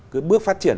cứ bước phát triển